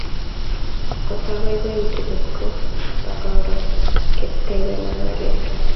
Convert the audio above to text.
kotabaibaitu kotko katakoro ketebena ngalek